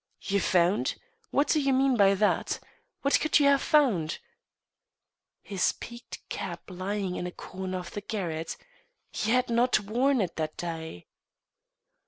"You found? What do you mean by that? What could you have found?" "His peaked cap lying in a corner of the garret. He had not worn it that day."